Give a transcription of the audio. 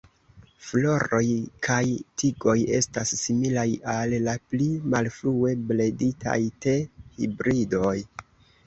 Floroj kaj tigoj estas similaj al la pli malfrue breditaj te-hibridoj.